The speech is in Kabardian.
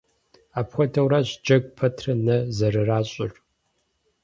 Апхуэдэурэщ джэгу пэтрэ нэ зэрыращӏыр.